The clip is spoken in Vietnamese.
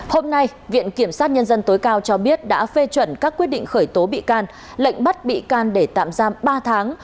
hôm nay viện kiểm sát nhân dân tối cao cho biết đã phê chuẩn các quyết định khởi tố bị can lệnh bắt bị can để tạm giam ba tháng